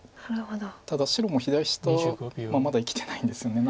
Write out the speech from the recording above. ただ白も左下まだ生きてないんですよね。